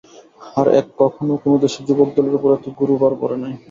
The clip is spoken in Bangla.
আর কখনও কোন দেশের যুবকদলের উপর এত গুরুভার পড়ে নাই।